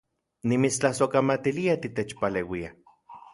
Nimitstlasojkamatilia titechpaleuia